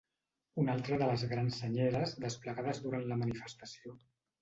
Una altra de les grans senyeres desplegades durant la manifestació.